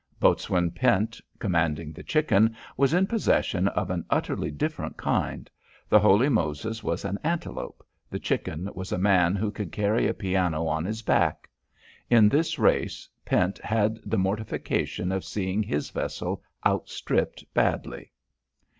Boatswain Pent, commanding the Chicken, was in possession of an utterly different kind. The Holy Moses was an antelope; the Chicken was a man who could carry a piano on his back. In this race Pent had the mortification of seeing his vessel outstripped badly.